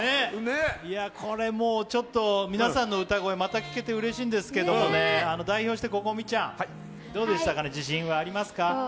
これ、ちょっと皆さんの歌声聴けてうれしいんですけどね、代表して心美ちゃん、どうでしたかね、自信はありますか？